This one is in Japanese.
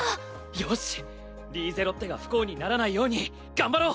よしリーゼロッテが不幸にならないように頑張ろう！